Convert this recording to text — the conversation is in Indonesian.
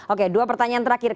oke dua pertanyaan terakhir